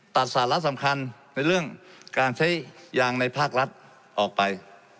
สาระสำคัญในเรื่องการใช้ยางในภาครัฐออกไป